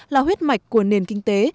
là huyết mạch của nền kinh tế